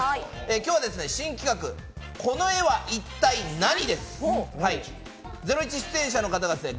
今日は新企画「この絵は一体ナニ！？」